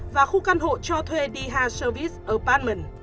và khu căn hộ cho thuê dh service apartment